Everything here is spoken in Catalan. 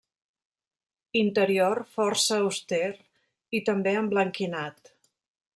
Interior força auster i també emblanquinat.